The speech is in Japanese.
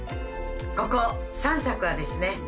ここ３作はですね